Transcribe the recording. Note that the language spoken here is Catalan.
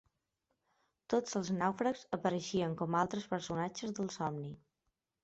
Tots els nàufrags apareixien com a altres personatges del somni.